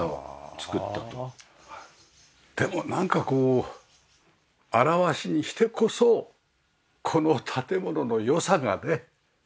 でもなんかこう現しにしてこそこの建物の良さがね感じられますよね。